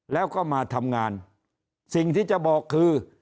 แล้วก็มาทำงานสิ่งที่จะบอกคือ